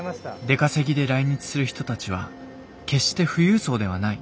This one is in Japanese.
出稼ぎで来日する人たちは決して富裕層ではない。